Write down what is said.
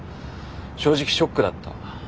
正直ショックだった。